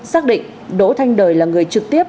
xác định đỗ thanh đời là người trực tiếp